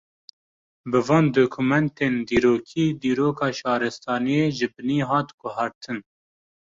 Bi van dokumentên dîrokî, dîroka şaristaniyê ji binî hat guhartin